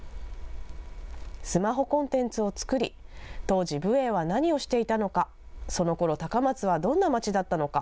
スマホコンテンツを作り、当時、武営は何をしていたのか、そのころ、高松はどんな街だったのか。